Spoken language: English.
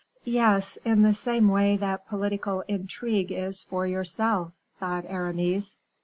"Yes; in the same way that political intrigue is for yourself," thought Aramis.